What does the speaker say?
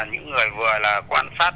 những người vừa là quan sát